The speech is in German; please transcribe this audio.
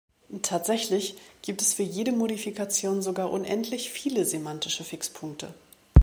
Tatsächlich gibt es für jede Modifikation sogar unendlich viele semantische Fixpunkte.